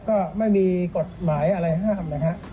ก็ไม่มีกฎหมายอะไรห้ามนะฮะ